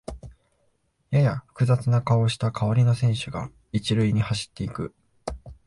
やや複雑な顔をした代わりの選手が一塁に走っていく